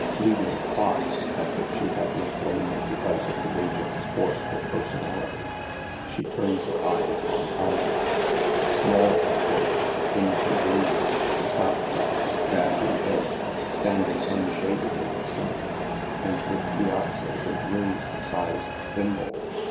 Leaving plots (at which she had looked only be cause of the agent's forceful personality), she turned her eyes on houses. Small they were, in convenient, claptrap, badly built, standing unshaded 196 THE MASK in the sun, and with piazzas and rooms the size of a thimble.